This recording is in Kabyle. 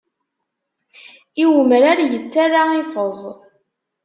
I umrar yettara i feẓ.